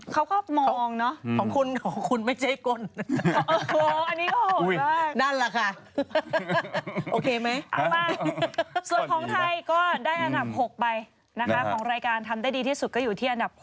ส่วนของใครก็ได้อันดับ๖ไปนะครับของรายการทำได้ดีที่สุดก็อยู่ที่อันดับ๖